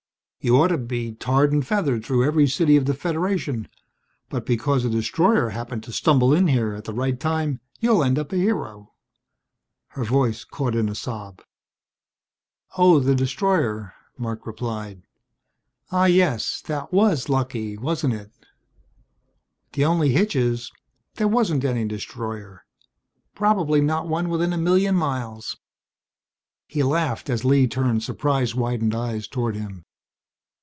You ought to be tarred and feathered through every city of the Federation, but because a destroyer happened to stumble in here at the right time you'll end up a hero." Her voice caught in a sob. "Oh, the destroyer," Marc replied. "Ah, yes, that was lucky, wasn't it? The only hitch is there wasn't any destroyer. Probably not one within a million miles!" He laughed as Lee turned surprise widened eyes toward him.